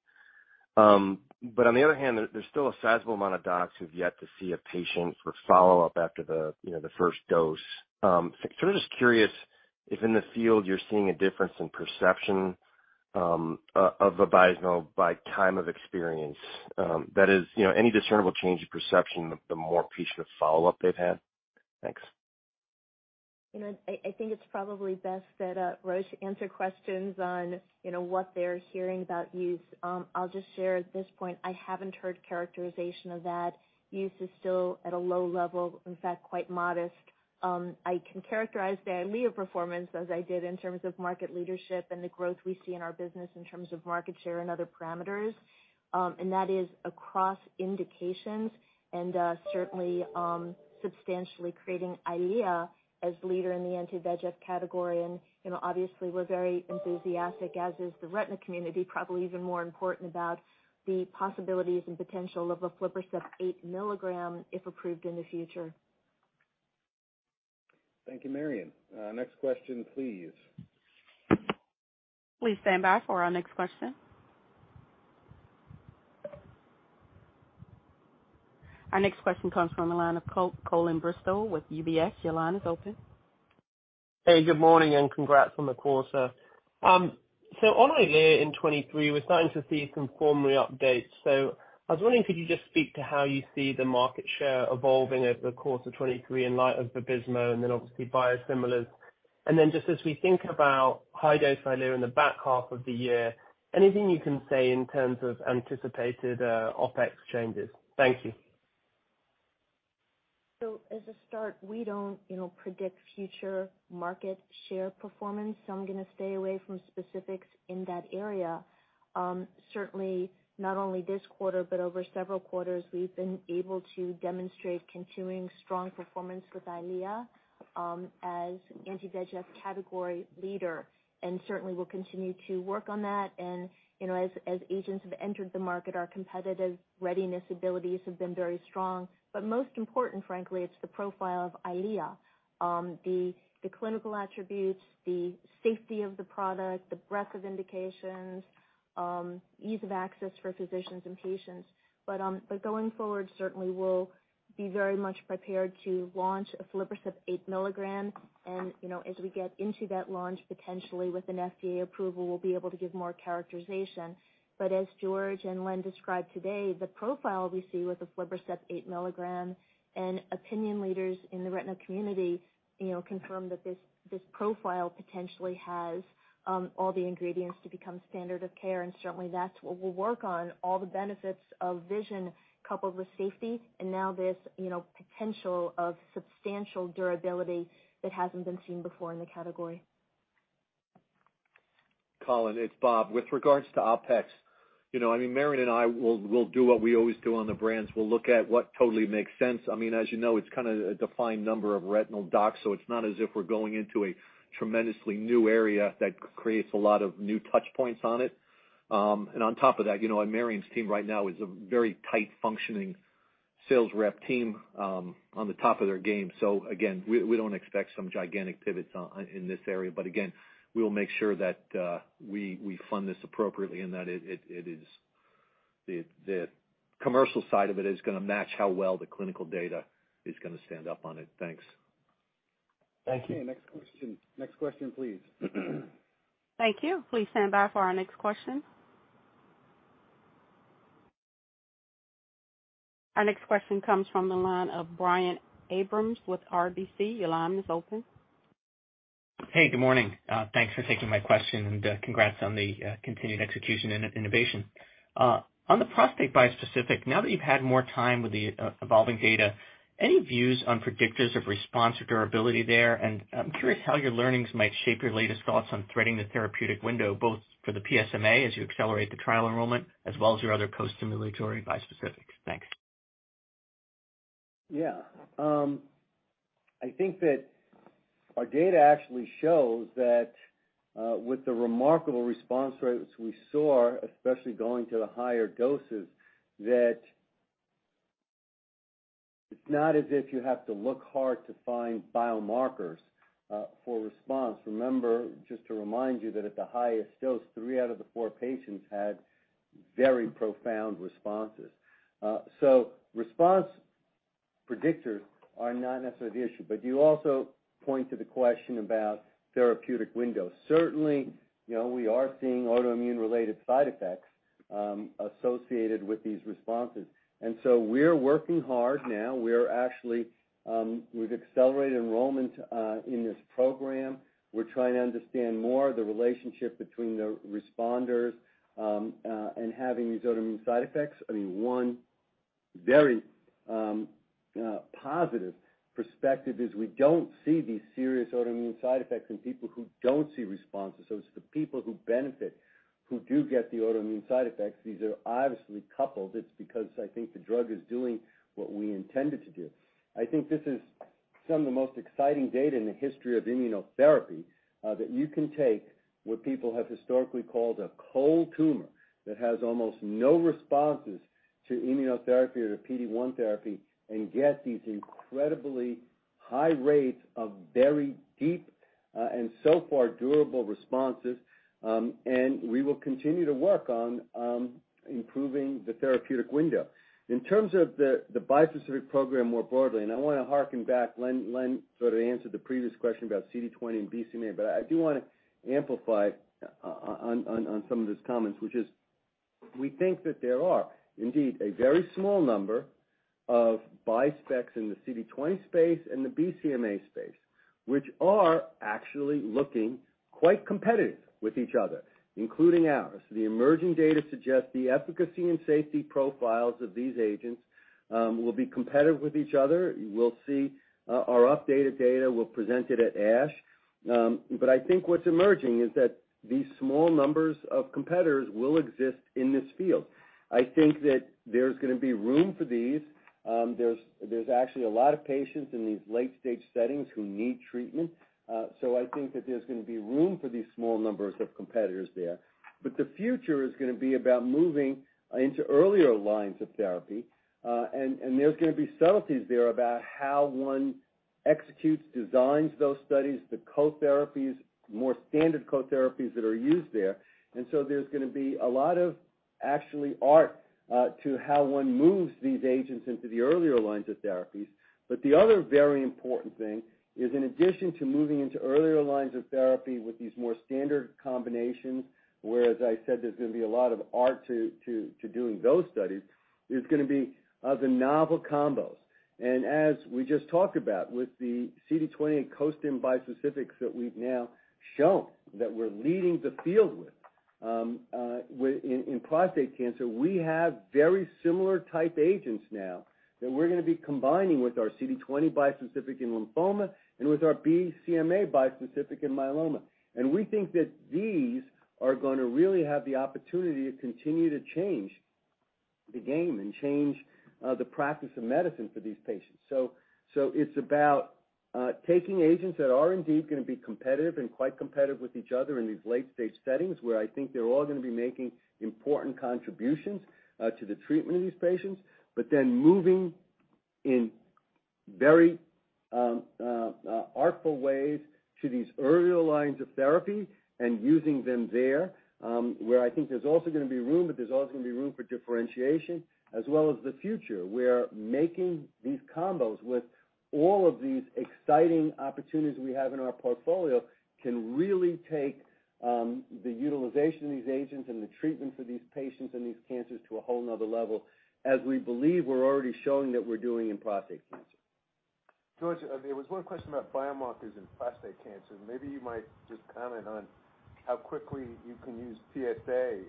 On the other hand, there's still a sizable amount of docs who've yet to see a patient for follow-up after you know, the first dose. Sort of just curious if in the field you're seeing a difference in perception of Vabysmo by time of experience, that is, you know, any discernible change in perception, the more patient follow-up they've had? Thanks.
You know, I think it's probably best that Roche answer questions on, you know, what they're hearing about use. I'll just share at this point, I haven't heard characterization of that. Use is still at a low level, in fact, quite modest. I can characterize the EYLEA performance as I did in terms of market leadership and the growth we see in our business in terms of market share and other parameters. And that is across indications and certainly substantially creating EYLEA as leader in the anti-VEGF category. You know, obviously we're very enthusiastic, as is the retina community, probably even more important about the possibilities and potential of aflibercept 8 mg if approved in the future.
Thank you, Marion. Next question, please.
Please stand by for our next question. Our next question comes from the line of Colin Bristow with UBS. Your line is open.
Hey, good morning, and congrats on the quarter. On EYLEA in 2023, we're starting to see some formal updates. I was wondering could you just speak to how you see the market share evolving over the course of 2023 in light of Vabysmo and then obviously biosimilars? Just as we think about high-dose EYLEA in the back half of the year, anything you can say in terms of anticipated OpEx changes? Thank you.
As a start, we don't, you know, predict future market share performance, so I'm gonna stay away from specifics in that area. Certainly not only this quarter, but over several quarters, we've been able to demonstrate continuing strong performance with EYLEA, as anti-VEGF category leader, and certainly we'll continue to work on that. You know, as agents have entered the market, our competitive readiness abilities have been very strong. Most important, frankly, it's the profile of EYLEA, the clinical attributes, the safety of the product, the breadth of indications, ease of access for physicians and patients. Going forward, certainly we'll be very much prepared to launch aflibercept 8 mg. You know, as we get into that launch, potentially with an FDA approval, we'll be able to give more characterization. As George and Len described today, the profile we see with aflibercept 8 mg and opinion leaders in the retina community, you know, confirm that this profile potentially has all the ingredients to become standard of care. Certainly, that's what we'll work on, all the benefits of vision coupled with safety and now this, you know, potential of substantial durability that hasn't been seen before in the category.
Colin Bristow, it's Bob Landry. With regards to OpEx, you know, I mean, Marion McCourt and I will do what we always do on the brands. We'll look at what totally makes sense. I mean, as you know, it's kind of a defined number of retinal docs, so it's not as if we're going into a tremendously new area that creates a lot of new touch points on it. And on top of that, you know, and Marion's team right now is a very tight functioning sales rep team, on the top of their game. Again, we don't expect some gigantic pivots in this area. Again, we'll make sure that we fund this appropriately and that it is. The commercial side of it is gonna match how well the clinical data is gonna stand up on it. Thanks.
Thank you.
Okay, next question. Next question, please.
Thank you. Please stand by for our next question. Our next question comes from the line of Brian Abrahams with RBC. Your line is open.
Hey, good morning. Thanks for taking my question and, congrats on the, continued execution and innovation. On the prostate bispecific, now that you've had more time with the, evolving data, any views on predictors of response or durability there? I'm curious how your learnings might shape your latest thoughts on threading the therapeutic window, both for the PSMA as you accelerate the trial enrollment, as well as your other co-stimulatory bispecifics. Thanks.
Yeah. I think that our data actually shows that, with the remarkable response rates we saw, especially going to the higher doses, that it's not as if you have to look hard to find biomarkers, for response. Remember, just to remind you that at the highest dose, three out of the four patients had very profound responses. So response predictors are not necessarily the issue, but you also point to the question about therapeutic window. Certainly, you know, we are seeing autoimmune-related side effects, associated with these responses. We're working hard now. We're actually, we've accelerated enrollment, in this program. We're trying to understand more the relationship between the responders, and having these autoimmune side effects. I mean, one very, positive perspective is we don't see these serious autoimmune side effects in people who don't see responses. It's the people who benefit, who do get the autoimmune side effects. These are obviously coupled. It's because I think the drug is doing what we intend it to do. I think this is some of the most exciting data in the history of immunotherapy, that you can take what people have historically called a cold tumor that has almost no responses to immunotherapy or to PD-1 therapy and get these incredibly high rates of very deep, and so far durable responses, and we will continue to work on improving the therapeutic window. In terms of the bispecific program more broadly, and I wanna harken back, Len sort of answered the previous question about CD20 and BCMA, but I do wanna amplify on some of his comments, which is we think that there are indeed a very small number of bispecs in the CD20 space and the BCMA space, which are actually looking quite competitive with each other, including ours. The emerging data suggests the efficacy and safety profiles of these agents will be competitive with each other. You will see our updated data. We'll present it at ASH. But I think what's emerging is that these small numbers of competitors will exist in this field. I think that there's gonna be room for these. There's actually a lot of patients in these late-stage settings who need treatment. I think that there's gonna be room for these small numbers of competitors there. The future is gonna be about moving into earlier lines of therapy, and there's gonna be subtleties there about how one executes, designs those studies, the co-therapies, more standard co-therapies that are used there. There's gonna be a lot of actual art to how one moves these agents into the earlier lines of therapies. The other very important thing is in addition to moving into earlier lines of therapy with these more standard combinations, where as I said, there's gonna be a lot of art to doing those studies, is gonna be the novel combos. As we just talked about with the CD20 and costim bispecifics that we've now shown that we're leading the field with, in prostate cancer, we have very similar type agents now that we're gonna be combining with our CD20 bispecific in lymphoma and with our BCMA bispecific in myeloma. We think that these are gonna really have the opportunity to continue to change the game and the practice of medicine for these patients. It's about taking agents that are indeed gonna be competitive and quite competitive with each other in these late-stage settings where I think they're all gonna be making important contributions to the treatment of these patients, but then moving in very artful ways to these earlier lines of therapy and using them there, where I think there's also gonna be room, but there's also gonna be room for differentiation as well as the future, where making these combos with all of these exciting opportunities we have in our portfolio can really take the utilization of these agents and the treatment for these patients and these cancers to a whole nother level, as we believe we're already showing that we're doing in prostate cancer.
George, there was one question about biomarkers in prostate cancer. Maybe you might just comment on how quickly you can use PSA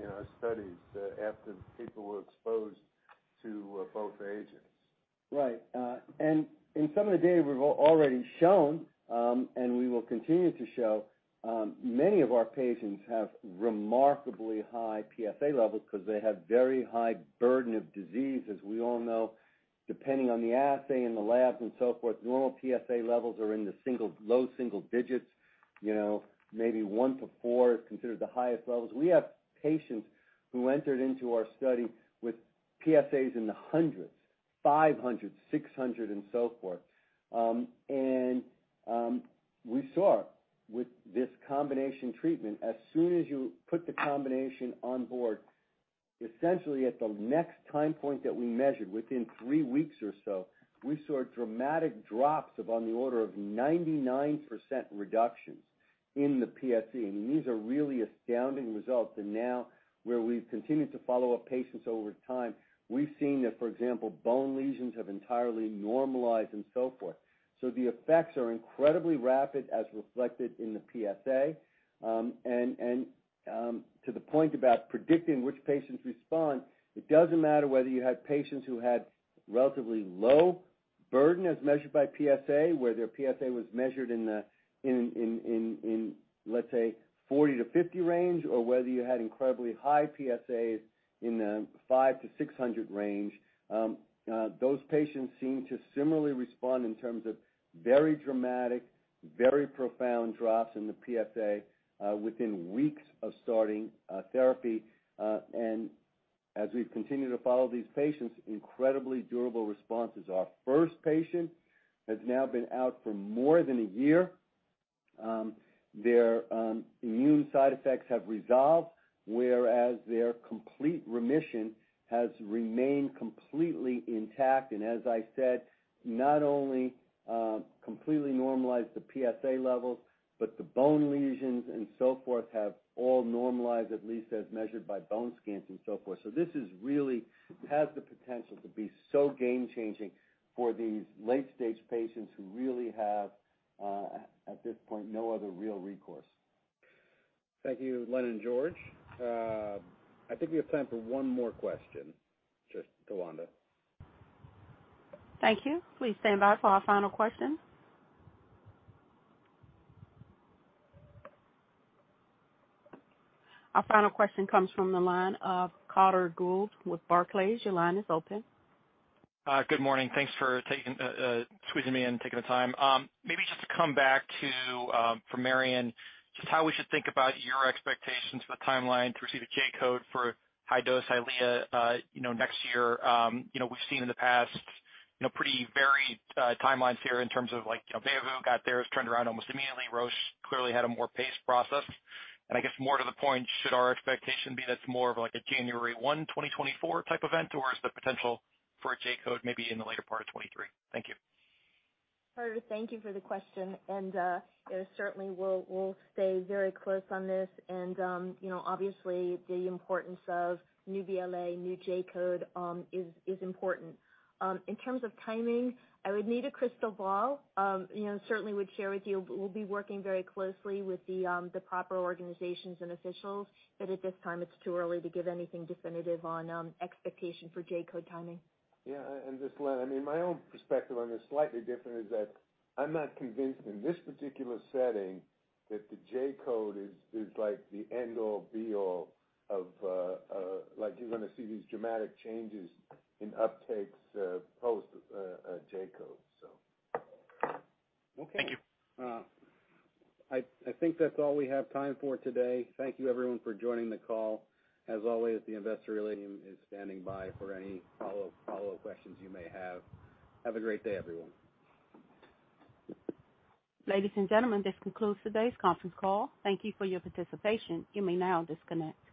in our studies after people were exposed to both agents.
Right. In some of the data we've already shown, and we will continue to show, many of our patients have remarkably high PSA levels 'cause they have very high burden of disease. As we all know, depending on the assay in the lab and so forth, normal PSA levels are in the single, low single digits, you know, maybe 1 to 4 is considered the highest levels. We have patients who entered into our study with PSAs in the hundreds, 500, 600 and so forth. We saw with this combination treatment, as soon as you put the combination on board, essentially at the next time point that we measured, within 3 weeks or so, we saw dramatic drops of on the order of 99% reductions in the PSA. These are really astounding results. Now where we've continued to follow up patients over time, we've seen that, for example, bone lesions have entirely normalized and so forth. The effects are incredibly rapid as reflected in the PSA. To the point about predicting which patients respond, it doesn't matter whether you had patients who had relatively low burden as measured by PSA, where their PSA was measured in the let's say 40-50 range, or whether you had incredibly high PSAs in the 500-600 range, those patients seem to similarly respond in terms of very dramatic, very profound drops in the PSA, within weeks of starting therapy. As we've continued to follow these patients, incredibly durable responses. Our first patient has now been out for more than a year. Their immune side effects have resolved, whereas their complete remission has remained completely intact. As I said, not only completely normalized the PSA levels, but the bone lesions and so forth have all normalized, at least as measured by bone scans and so forth. This really has the potential to be so game changing for these late stage patients who really have, at this point, no other real recourse.
Thank you, Len and George. I think we have time for one more question. Just Tawanda.
Thank you. Please stand by for our final question. Our final question comes from the line of Carter Gould with Barclays. Your line is open.
Good morning. Thanks for squeezing me in and taking the time. Maybe just to come back to, for Marion, just how we should think about your expectations for the timeline to receive a J-code for high-dose EYLEA, you know, next year. You know, we've seen in the past, you know, pretty varied timelines here in terms of like, you know, Byooviz got theirs turned around almost immediately. Roche clearly had a more paced process. I guess more to the point, should our expectation be that's more of like a January 1, 2024 type event, or is the potential for a J-code maybe in the later part of 2023? Thank you.
Carter, thank you for the question, and certainly we'll stay very close on this. You know, obviously the importance of new BLA, new J-code is important. In terms of timing, I would need a crystal ball. You know, certainly would share with you, we'll be working very closely with the proper organizations and officials, but at this time it's too early to give anything definitive on expectation for J-code timing.
This is Dr. Len Schleifer. I mean, my own perspective on this, slightly different, is that I'm not convinced in this particular setting that the J-code is like the end-all be-all of like, you're gonna see these dramatic changes in uptakes post a J-code, so.
Thank you.
Okay. I think that's all we have time for today. Thank you everyone for joining the call. As always, the investor relations is standing by for any follow-up questions you may have. Have a great day, everyone.
Ladies and gentlemen, this concludes today's conference call. Thank you for your participation. You may now disconnect.